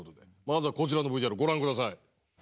まずはこちらのＶＴＲご覧下さい。